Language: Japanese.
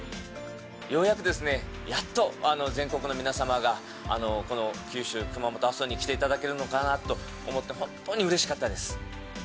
ようやくですね、やっと全国の皆様が、この九州、熊本・阿蘇に来ていただけるのかなと思って、本当にうれしかったです。